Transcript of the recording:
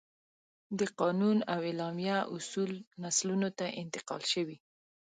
د قانون او اعلامیه اصول نسلونو ته انتقال شوي.